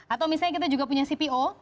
atau misalnya kita juga punya cpo